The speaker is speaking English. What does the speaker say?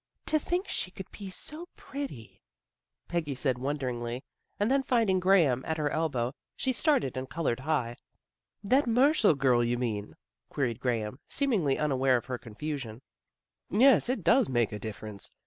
" To think she could be so pretty," Peggy said wonderingly, and then finding Graham at her elbow she started and colored high. " That Marshall girl, you mean? " queried Graham, seemingly unaware of her confusion. THE BAZAR 103 " Yes, it does make a difference.